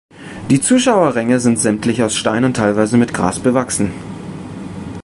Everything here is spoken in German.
Die Zuschauerränge sind sämtlich aus Stein und teilweise mit Gras bewachsen.